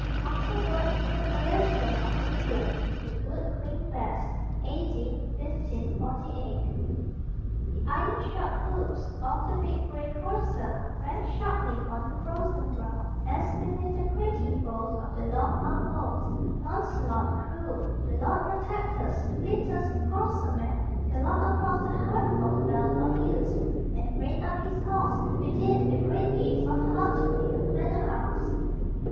(Afterward Queen Elizabeth of England; the "Good Queen Bess.") A.D. 1548. The iron shod hoofs of the big gray courser rang sharply on the frozen ground, as, beneath the creaking boughs of the long armed oaks, Launcelot Crue, the Lord Protector's fleetest courser man, galloped across the Hertford fells or hills, and reined up his horse within the great gates of Hatfield manor house.